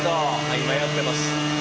今やってます。